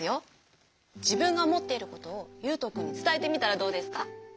じぶんがおもっていることをゆうとくんにつたえてみたらどうですか？